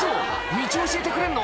道教えてくれるの？